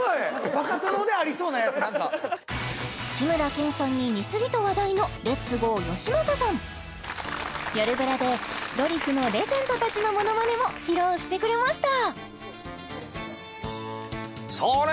バカ殿でありそうなやつなんか志村けんさんに似すぎと話題のレッツゴーよしまささん「よるブラ」でドリフのレジェンドたちのものまねも披露してくれました